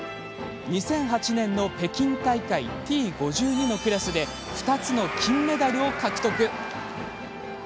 ２００８年の北京大会Ｔ５２のクラスで２つの金メダルを獲得。